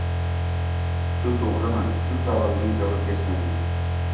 Shu to‘g‘rimi? Shu savolimga javob bersangiz.